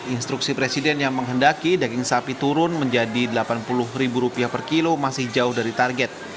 instruksi presiden yang menghendaki daging sapi turun menjadi rp delapan puluh per kilo masih jauh dari target